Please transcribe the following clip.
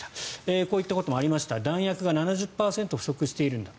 こういったこともありました弾薬が７０％不足しているんだと。